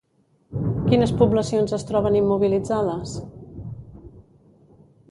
Quines poblacions es troben immobilitzades?